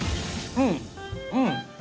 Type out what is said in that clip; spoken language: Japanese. うんうん！